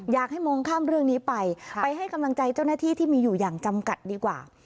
อยากให้มองข้ามเรื่องนี้ไปไปให้กำลังใจเจ้าหน้าที่ที่มีอยู่อย่างจำกัดดีกว่า